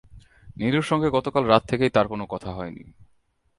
নীলুর সঙ্গে গতকাল রাত থেকেই তাঁর কোনো কথা হয় নি!